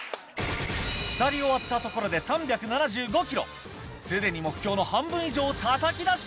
２人終わったところで３７５キロ既に目標の半分以上をたたき出した